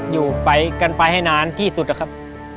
อยู่ไปกันไปให้นานที่สุดนะครับ